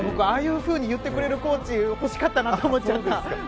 ああいうふうに言ってくれるコーチ欲しかったなと思っちゃった。